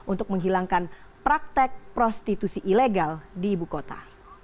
untuk menghilangkan praktek prostitusi ilegal di ibu kota